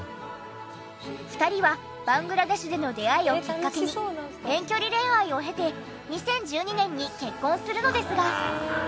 ２人はバングラデシュでの出会いをきっかけに遠距離恋愛を経て２０１２年に結婚するのですが。